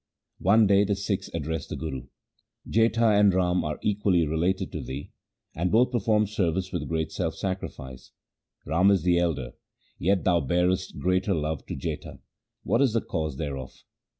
One day the Sikhs addressed the Guru :' Jetha and Rama are equally related to thee, and both perform service with great self sacrifice. Rama is the elder, yet thou bearest greater love to Jetha. What is the cause thereof